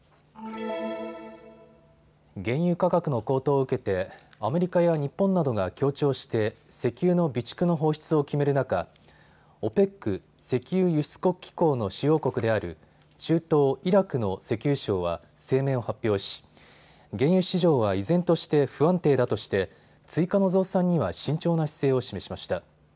原油価格の高騰を受けてアメリカや日本などが協調して石油の備蓄の放出を決める中、ＯＰＥＣ・石油輸出国機構の主要国である中東イラクの石油省は声明を発表し原油市場は依然として不安定だとして追加の増産には慎重な姿勢を示しました。